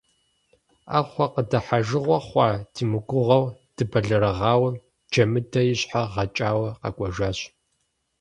Ӏэхъуэ къыдыхьэжыгъуэ хъуа димыгугъэу дыбэлэрыгъауэ, Джэмыдэ и щхьэр гъэкӀауэ къэкӀуэжащ.